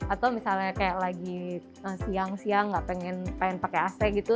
atau misalnya kayak lagi siang siang gak pengen pakai ac gitu